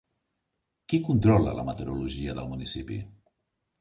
Qui controla la meteorologia del municipi?